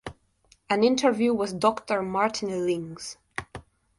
An Interview With Doctor Martin Lings.